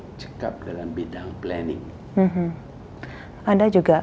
saya cekap dalam bidang perancangan